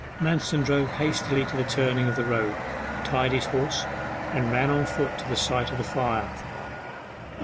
Manston drove hastily to the turning of the road, tied his horse, and ran on foot to the site of the fire.